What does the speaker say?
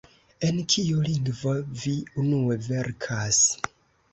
En kiu lingvo vi unue verkas?